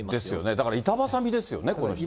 だから板挟みですよね、この人。